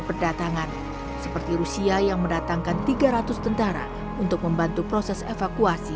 berdatangan seperti rusia yang mendatangkan tiga ratus tentara untuk membantu proses evakuasi